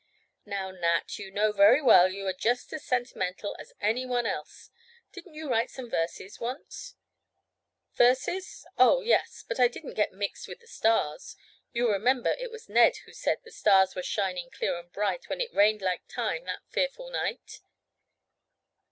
"Now, Nat, you know very well you are just as sentimental as any one else. Didn't you write some verses—once?" "Verses? Oh, yes. But I didn't get mixed with the stars. You will remember it was Ned who said: "'The stars were shining clear and bright When it rained like time, that fearful night!